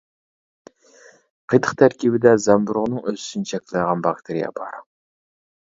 قېتىق تەركىبىدە زەمبۇرۇغنىڭ ئۆسۈشىنى چەكلەيدىغان باكتېرىيە بار.